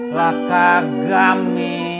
lah kagak mi